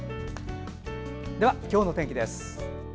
では、今日の天気です。